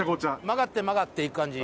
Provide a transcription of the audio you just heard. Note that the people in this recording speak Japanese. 曲がって曲がって行く感じ？